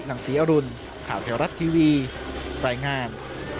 และพร้อม